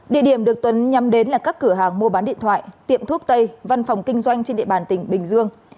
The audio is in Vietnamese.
địa điểm được tuấn nhắm đến là các cửa hàng mua bán điện thoại tiệm thuốc tây văn phòng kinh doanh trên địa bàn tỉnh bình dương